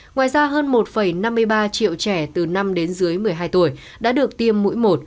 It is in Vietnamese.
ngoài ra hơn một năm mươi ba triệu trẻ từ năm đến dưới một mươi hai tuổi đã được tiêm mũi một